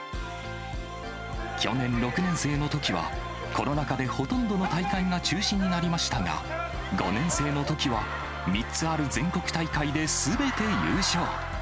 去年６年生のときは、コロナ禍でほとんどの大会が中止になりましたが、５年生のときは、３つある全国大会ですべて優勝。